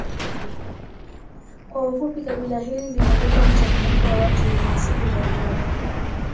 Kwa ufupi kabila hili limebeba mchanganyiko wa watu wenye asili mbalimbali